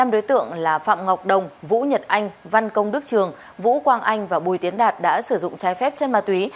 năm đối tượng là phạm ngọc đồng vũ nhật anh văn công đức trường vũ quang anh và bùi tiến đạt đã sử dụng trái phép chân ma túy